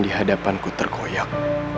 di hadapanku terkoyak